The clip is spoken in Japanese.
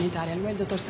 どうした？